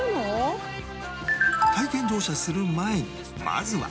体験乗車する前にまずは